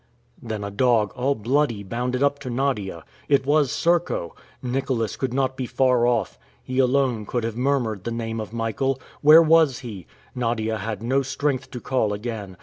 Then a dog, all bloody, bounded up to Nadia. It was Serko! Nicholas could not be far off! He alone could have murmured the name of Michael! Where was he? Nadia had no strength to call again.